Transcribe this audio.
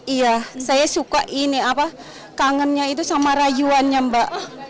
iya saya suka ini apa kangennya itu sama rayuannya mbak